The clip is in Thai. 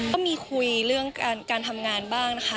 ก็มีคุยเรื่องการทำงานบ้างนะคะ